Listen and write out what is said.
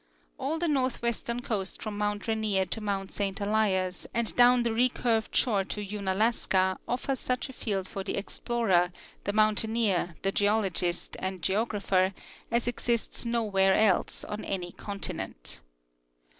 All the northwestern coast from mount Rainier to mount Saint Elias and down the recurved shore to Unalaska offer such a field for the explorer, the mountaineer, the geologist, and geographer as exists nowhere else on any continent.